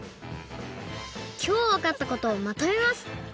きょうわかったことをまとめます。